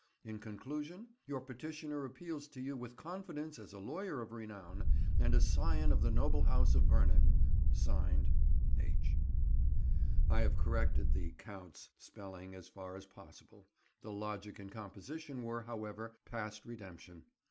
In conclusion, your petitioner appeals to you with confidence as a lawyer of renown, and a scion of the noble house of Vernon.—Signed, H—." I have corrected "the Count's" spelling as far as possible; the logic and composition were, however, past redemption.